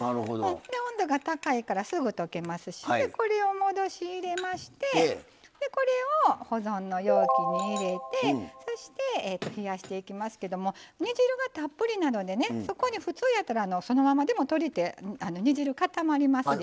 温度が高いからすぐ溶けますしこれを戻し入れましてこれを保存の容器に入れてそして、冷やしていきますけども煮汁がたっぷりなのでそこに普通やったらそのまま閉じて煮汁固まりますよ。